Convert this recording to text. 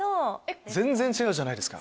全然違うじゃないですか。